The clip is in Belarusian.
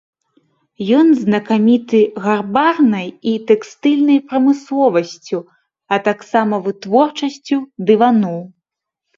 Ён знакаміты гарбарнай і тэкстыльнай прамысловасцю, а таксама вытворчасцю дываноў.